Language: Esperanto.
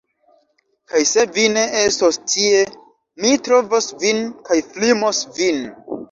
Kaj se vi ne estos tie, mi trovos vin kaj flimos vin.